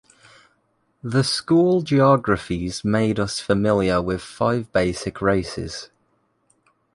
The school geographies made us familiar with five basic races.